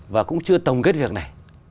và cũng chưa tổng kết việc này